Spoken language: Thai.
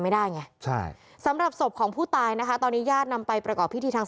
ไม่ได้ไงใช่สำหรับศพของผู้ตายนะคะตอนนี้ญาตินำไปประกอบพิธีทาง